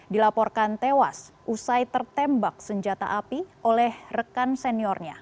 dilaporkan tewas usai tertembak senjata api oleh rekan seniornya